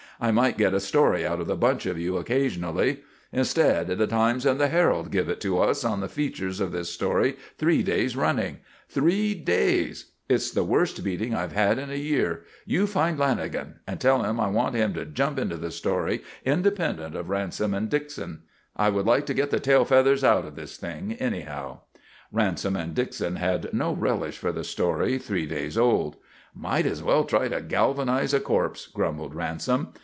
I might get a story out of the bunch of you occasionally. Instead, the Times and the Herald give it to us on the features of this story three days running three days. It's the worst beating I've had in a year. You find Lanagan and tell him I want him to jump into the story independent of Ransom and Dickson. I would like to get the tail feathers out of this thing, anyhow." Ransom and Dickson had no relish for the story, three days old. "Might as well try to galvanise a corpse," grumbled Ransom.